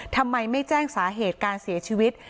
ทำไมไม่แจ้งสาเหตุการเสียชีวิต